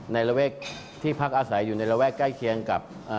ระเวกที่พักอาศัยอยู่ในระแวกใกล้เคียงกับ